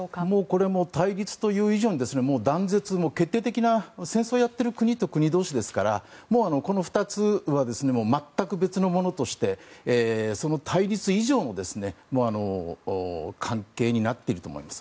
これも対立という以上に断絶決定的な戦争をやっている国と国同士ですからもうこの２つは全く別のものとしてその対立以上の関係になっていると思います。